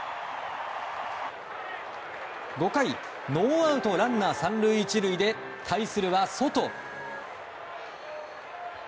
５回、ノーアウトランナー３塁１塁で対するは、ソト。